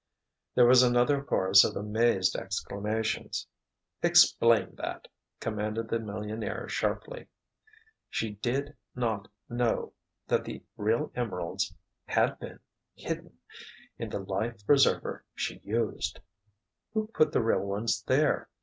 There was another chorus of amazed exclamations. "Explain that," commanded the millionaire sharply. "She—did—not—know—that the real emeralds—had been—hidden—in the life preserver she used!" "Who put the real ones there?"